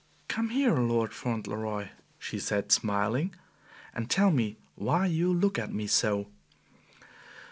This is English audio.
"Come here, Lord Fauntleroy," she said, smiling; "and tell me why you look at me so."